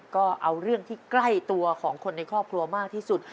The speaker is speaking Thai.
ก็เอาเรื่องที่ใกล้ตัวของคนในครอบครัวมากที่สุด